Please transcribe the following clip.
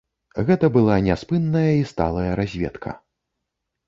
Гэта была няспынная і сталая разведка.